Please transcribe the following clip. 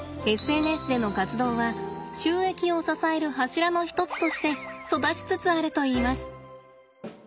ＳＮＳでの活動は収益を支える柱の一つとして育ちつつあるといいます。